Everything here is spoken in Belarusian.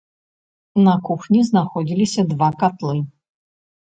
На кухні знаходзіліся два катлы.